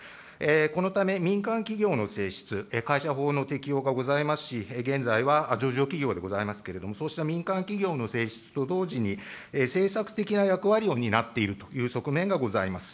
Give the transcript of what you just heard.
このため、民間企業の性質、会社法の適用がございますし、現在は上場企業でございますけれども、そうした民間企業の性質と同時に政策的な役割を担っているという側面がございます。